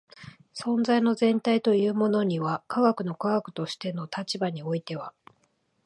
存在の全体というものには科学の科学としての立場においては